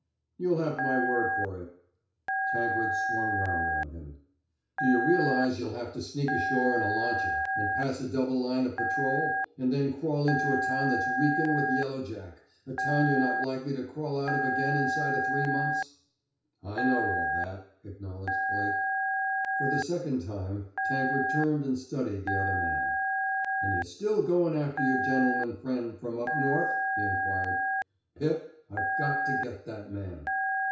"You'll have my word for it!" Tankred swung round on him. "D' you realize you'll have to sneak ashore in a lancha and pass a double line o' patrol? And then crawl into a town that's reekin' with yellow jack, a town you're not likely to crawl out of again inside o' three months?" "I know all that!" acknowledged Blake. For the second time Tankred turned and studied the other man. "And you're still goin' after your gen'leman friend from up North?" he inquired. "Pip, I've got to get that man!"